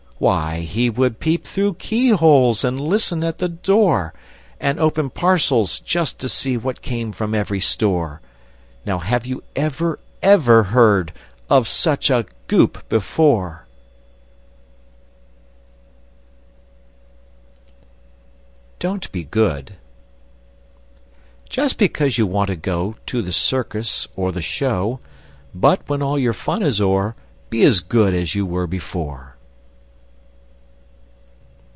Why, he would peep through keyholes, And listen at the door! And open parcels, just to see What came from every store! Now, have you ever ever heard Of such a Goop before? [Illustration: Don't be Good] DON'T BE GOOD Just because you want to go To the circus, or the show; But, when all your fun is o'er, Be as good as you were before!